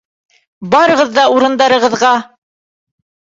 Барығыҙ ҙа урындарығыҙға!